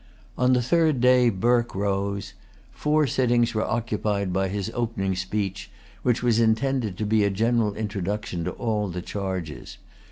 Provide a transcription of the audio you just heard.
On the third day Burke rose. Four sittings were occupied by his opening speech, which was intended to be a general introduction to all the charges.